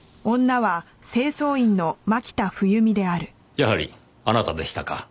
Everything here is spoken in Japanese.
やはりあなたでしたか。